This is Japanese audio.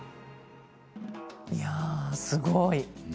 いやあ、すごい。